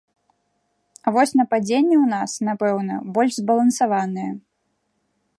А вось нападзенне ў нас, напэўна, больш збалансаванае.